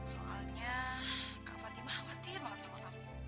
soalnya kak fatimah khawatir banget sama kamu